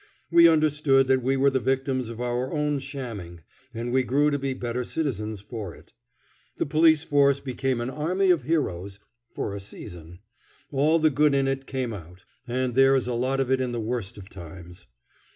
We understood that we were the victims of our own shamming, and we grew to be better citizens for it. The police force became an army of heroes for a season. All the good in it came out; and there is a lot of it in the worst of times.